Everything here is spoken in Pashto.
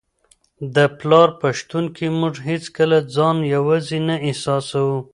د پلار په شتون کي موږ هیڅکله ځان یوازې نه احساسوو.